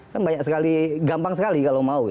kan banyak sekali gampang sekali kalau mau ya